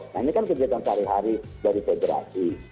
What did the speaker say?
nah ini kan kegiatan sehari hari dari federasi